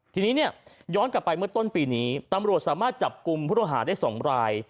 ทีนี้เนี่ยย้อนกลับไปเมื่อต้นปีนี้ตำรวจสามารถจับกลุ่มผู้ต้องหาได้๒ราย